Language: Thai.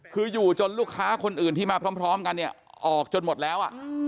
คืออยู่จนลูกค้าคนอื่นที่มาพร้อมกันเนี่ยออกจนหมดแล้ว